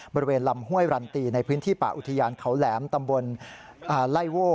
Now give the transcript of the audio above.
บริเวณลำห้วยรันตีในพื้นที่ป่าอุทยานเขาแหลมตำบลไล่โว่